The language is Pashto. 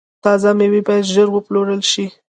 تازه میوې باید ژر وپلورل شي.